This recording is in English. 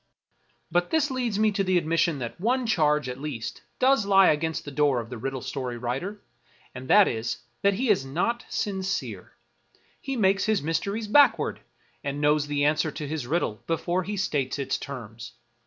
But this leads me to the admission that one charge, at least, does lie against the door of the riddle story writer; and that is, that he is not sincere; he makes his mysteries backward, and knows the answer to his riddle before he states its terms.